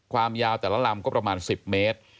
ความยาวแต่ละลำก็ประมาณ๑๐เมตร